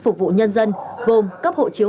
phục vụ nhân dân gồm cấp hộ chiếu